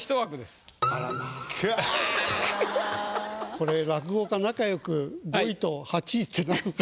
これ落語家仲よく５位と８位ってのは。